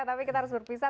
tapi kita harus berpisah